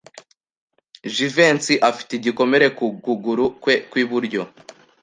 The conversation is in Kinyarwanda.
Jivency afite igikomere ku kuguru kwe kw'iburyo.